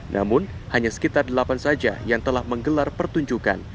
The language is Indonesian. namun hanya sekitar delapan saja yang telah menggelar pertunjukan